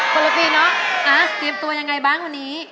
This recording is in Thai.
คนละปีเนอะเตรียมตัวยังไงบ้างวันนี้